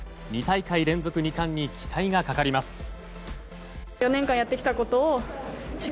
２大会連続２冠に期待がかかります。